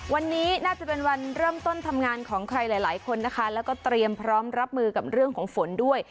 วันนี้น่าจะเป็นวันเริ่มต้นทำงานของใครหลายคนนะคะแล้วก็เตรียมพร้อมรับมือกับเรื่องของฝนด้วย